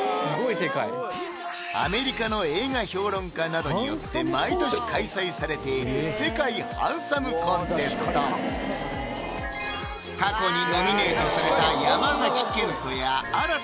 世界アメリカの映画評論家などによって毎年開催されている世界ハンサムコンテスト過去にノミネートされた山賢人や新田